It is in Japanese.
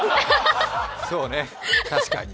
そうね、確かに。